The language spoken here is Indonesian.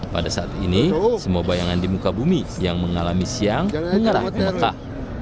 pada saat ini semua bayangan di muka bumi yang mengalami siang mengarah ke mekah